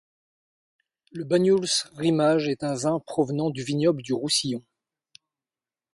Le banyuls rimage est un vin provenant du vignoble du Roussillon.